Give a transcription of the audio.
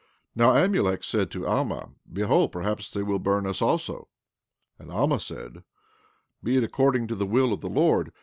14:12 Now Amulek said unto Alma: Behold, perhaps they will burn us also. 14:13 And Alma said: Be it according to the will of the Lord.